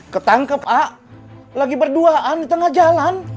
ketangkep a lagi berduaan di tengah jalan